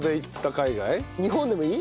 日本でもいい？